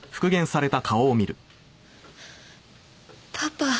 パパ。